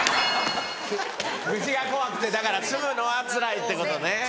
虫が怖くてだから住むのはつらいってことね。